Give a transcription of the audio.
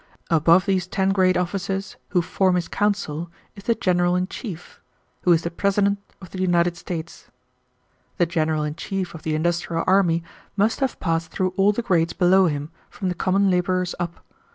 Above these ten great officers, who form his council, is the general in chief, who is the President of the United States. "The general in chief of the industrial army must have passed through all the grades below him, from the common laborers up.